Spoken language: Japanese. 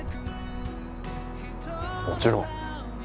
もちろん。